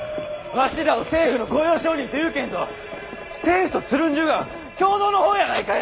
わしらを政府の御用商人とゆうけんど政府とつるんじゅうがは共同の方やないかえ。